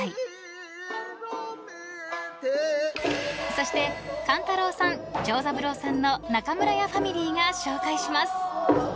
［そして勘太郎さん長三郎さんの中村屋ファミリーが紹介します］